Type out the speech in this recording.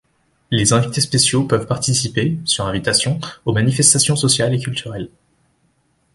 Les invités spéciaux peuvent participer, sur invitation, aux manifestations sociales et culturelles.